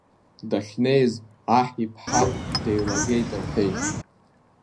Дахьнеиз аҳ иԥҳа деилагеит рҳәеит.